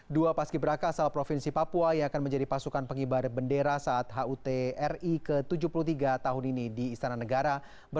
dua paski beraka asal provinsi papua yang akan menjadi pasukan pengibar bendera saat hut ri ke tujuh puluh tiga tahun ini di istana negara